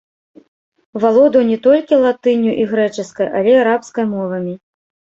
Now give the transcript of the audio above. Валодаў не толькі латынню і грэчаскай, але і арабскай мовамі.